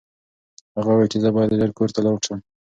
هغه وویل چې زه باید ژر کور ته لاړ شم.